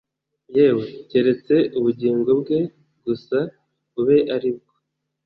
Yawe keretse ubugingo bwe gusa ube ari bwo